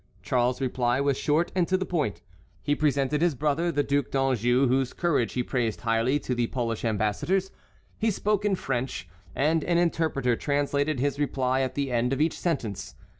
Charles's reply was short and to the point. He presented his brother, the Duc d'Anjou, whose courage he praised highly to the Polish ambassadors. He spoke in French, and an interpreter translated his reply at the end of each sentence.